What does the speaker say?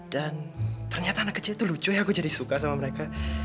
dan ternyata anak kecil itu lucu ya aku jadi suka sama mereka